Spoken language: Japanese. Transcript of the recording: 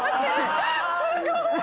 すごい。